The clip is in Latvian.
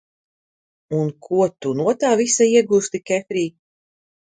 Un ko tu no tā visa iegūsti, Kefrij?